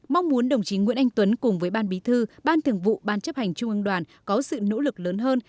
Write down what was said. mong muốn đồng chí nguyễn anh tuấn cùng với ban bí thư ban thường vụ ban chấp hành trung ương đoàn có sự nỗ lực lớn hơn